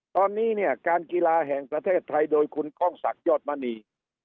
ตอนนี้เนี่ยการกีฬาแห่งประเทศไทยโดยคุณก้องศักดิ์ยอดมณี